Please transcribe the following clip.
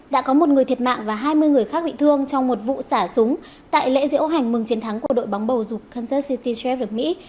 đã có một người thiệt mạng và hai mươi người khác bị thương trong một vụ xả súng tại lễ diễu hành mừng chiến thắng của đội bóng bầu dục kansas city sheff được mỹ